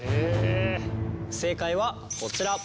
正解はこちら。